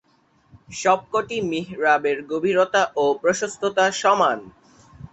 সবকটি মিহরাবের গভীরতা ও প্রশস্ততা সমান।